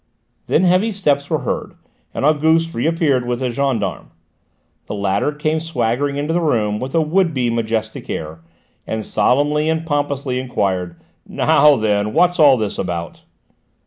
Then heavy steps were heard, and Auguste reappeared with a gendarme. The latter came swaggering into the room with a would be majestic air, and solemnly and pompously enquired: "Now then, what's all this about?"